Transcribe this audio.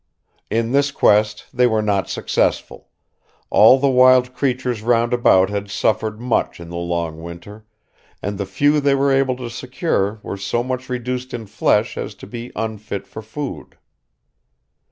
In this quest they were not successful; all the wild creatures round about had suffered much in the long winter, and the few they were able to secure were so much reduced in flesh as to be unfit for food.